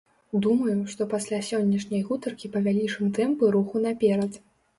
Думаю, што пасля сённяшняй гутаркі павялічым тэмпы руху наперад.